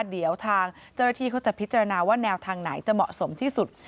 เดี๋ยวทางเจ้าหน้าที่เขาจะพิจารณาว่าแนวทางไหนจะเหมาะสมที่สุด